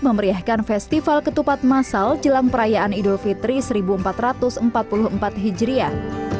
memeriahkan festival ketupat masal jelang perayaan idul fitri seribu empat ratus empat puluh empat hijriah